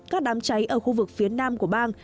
các đám cháy ở khu vực phía nam của bang